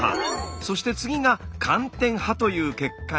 そして次が寒天派という結果に。